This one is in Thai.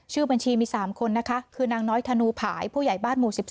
บัญชีมี๓คนนะคะคือนางน้อยธนูผายผู้ใหญ่บ้านหมู่๑๒